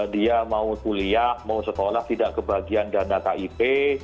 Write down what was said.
dia mau kuliah mau sekolah tidak kebagian dana kip